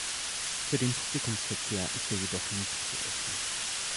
Für den Publikumsverkehr ist er jedoch nicht geöffnet.